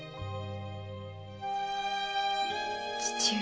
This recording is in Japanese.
父上。